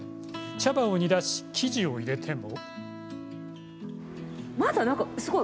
茶葉を煮出し、生地を入れても。